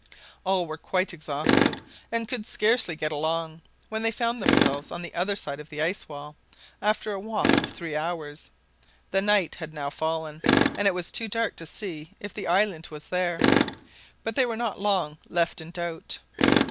All were quite exhausted, and could scarcely get along, when they found themselves on the other side of the ice wall, after a walk of three hours. The night had now fallen, and it was too dark to see if the island was there, but they were not long left in doubt.